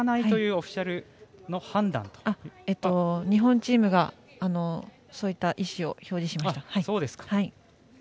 日本チームがそういった意思を示しました。